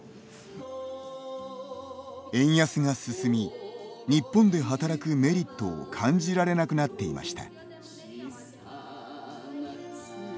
円安が進み日本で働くメリットを感じられなくなっていました。